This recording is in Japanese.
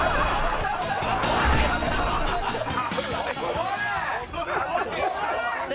おい！